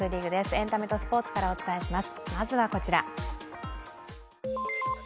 エンタメとスポーツからお伝えします。